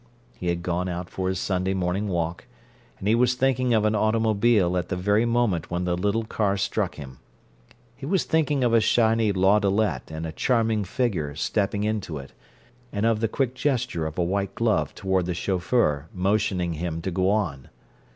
He had gone out for his Sunday morning walk, and he was thinking of an automobile at the very moment when the little car struck him; he was thinking of a shiny landaulet and a charming figure stepping into it, and of the quick gesture of a white glove toward the chauffeur, motioning him to go on.